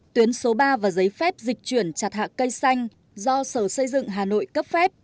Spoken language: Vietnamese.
tuyến số ba và giấy phép dịch chuyển chặt hạ cây xanh do sở xây dựng hà nội cấp phép